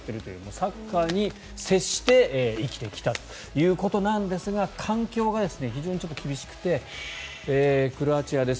サッカーに接して生きてきたということなんですが環境が非常に厳しくてクロアチアです。